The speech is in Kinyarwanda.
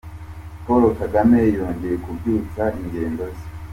Paul Kagame yongeye kubyutsa ingendo ze.